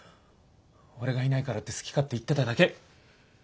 俺がいないからって好き勝手言ってただけ。